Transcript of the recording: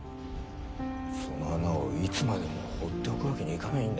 その穴をいつまでも放っておくわけにいかないんだよ。